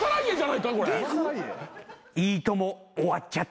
『いいとも！』終わっちゃったな。